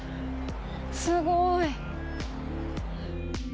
すごい。